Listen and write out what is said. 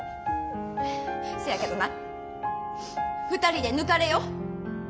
せやけどな２人で抜かれよ。